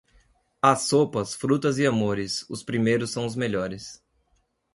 As sopas, frutas e amores, os primeiros são os melhores.